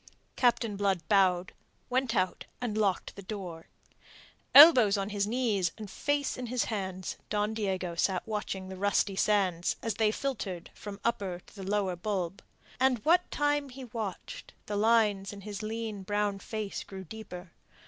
Captain Blood bowed, went out, and locked the door. Elbows on his knees and face in his hands, Don Diego sat watching the rusty sands as they filtered from the upper to the lower bulb. And what time he watched, the lines in his lean brown face grew deeper.